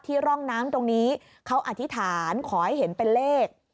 ร่องน้ำตรงนี้เขาอธิษฐานขอให้เห็นเป็นเลข